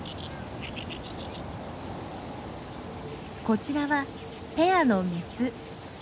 こちらはペアのメス。